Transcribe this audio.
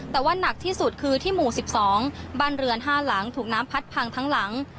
แต่ว่านักที่สุดคือที่หมู่๑๒บ้านเรือน๕หลังถูกน้ำพัดพังทั้งหลัง